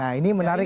nah ini menarik